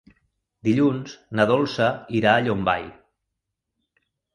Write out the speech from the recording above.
Dilluns na Dolça irà a Llombai.